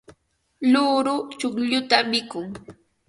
luuru chuqlluta mikun.